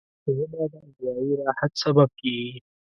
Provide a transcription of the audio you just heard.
ژبه د اروايي راحت سبب کېږي